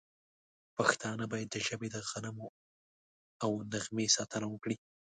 پښتانه باید د ژبې د غنمو او نغمې ساتنه وکړي.